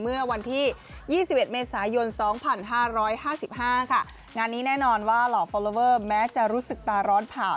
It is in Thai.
เมื่อวันที่๒๑เมษายน๒๕๕๕ค่ะงานนี้แน่นอนว่าหล่อฟอลลอเวอร์แม้จะรู้สึกตาร้อนผ่า